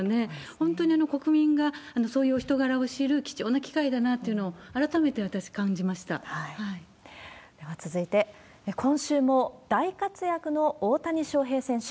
本当に国民がそういうお人柄を知る貴重な機会だなというのを、では続いて、今週も大活躍の大谷翔平選手。